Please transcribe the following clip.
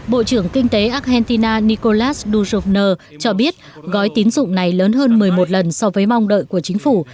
bộ trưởng kinh tế argentina nicolas doujovner cho biết gói tín dụng này lớn hơn một mươi một lần so với mong đợi của chính phủ